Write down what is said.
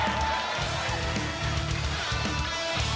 ขวาแยกออกมาอีกครั้งครับ